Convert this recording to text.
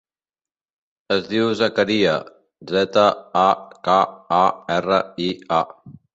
Es diu Zakaria: zeta, a, ca, a, erra, i, a.